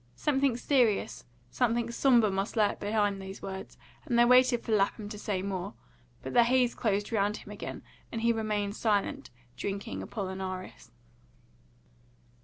Something serious, something sombre must lurk behind these words, and they waited for Lapham to say more; but the haze closed round him again, and he remained silent, drinking Apollinaris.